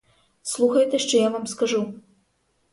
Слухайте, що я вам скажу.